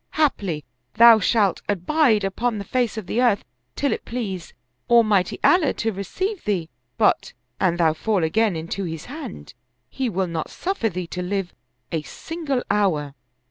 Haply thou shalt abide upon the face of the earth till it please Almighty Allah to receive thee ; but, an thou fall again into his hand, he will not suffer thee to live a single hour."